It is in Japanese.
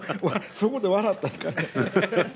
そこで笑ったら。